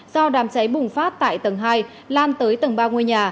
do đám cháy bùng phát tại tầng hai lan tới tầng ba ngôi nhà